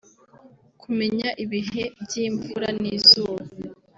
kumenya ibihe by’imvura n’izuba